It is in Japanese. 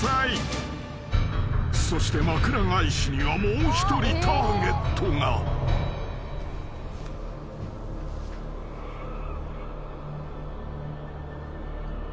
［そしてまくら返しにはもう１人ターゲットが］うん？